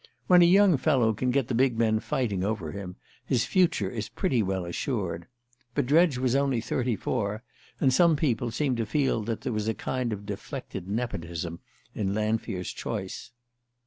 When a young fellow can get the big men fighting over him his future is pretty well assured. But Dredge was only thirty four, and some people seemed to feel that there was a kind of deflected nepotism in Lanfear's choice.